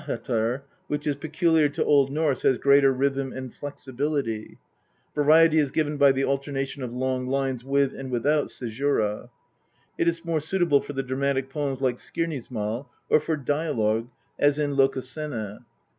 ahattr, which is peculiar to Old Norse, has greater rhythm and flexibility ; variety is given by the alternation of long lines with and without caesura. It is more suitable for the dramatic poems like Skirnismal, or for dialogue as in Lokasenna.